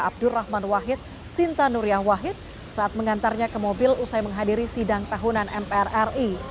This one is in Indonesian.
abdurrahman wahid sinta nuria wahid saat mengantarnya ke mobil usai menghadiri sidang tahunan mpr ri